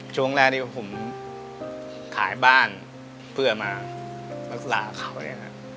ช่วงแรกที่ผมขายบ้านเพื่อมารักษาเขาเนี่ยนะ